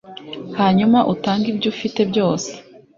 hanyuma utange ibyo ufite byose